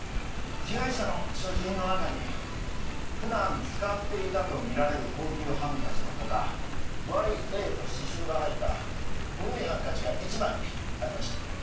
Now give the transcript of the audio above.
被害者の所持品の中に普段使っていたと見られる高級ハンカチの他「ＹＡ」と刺繍が入った古いハンカチが１枚ありました。